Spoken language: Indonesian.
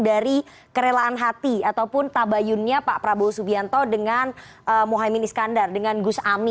dari kerelaan hati ataupun tabayunnya pak prabowo subianto dengan mohaimin iskandar dengan gus ami